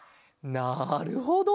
なるほど！